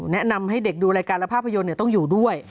แนะนำให้เด็กดูรายการและภาพยนตร์ต้องอยู่ด้วย